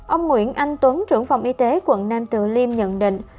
ông nguyễn anh tuấn trưởng phòng y tế quận nam từ liêm nhận định